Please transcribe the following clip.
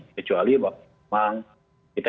kecuali memang kita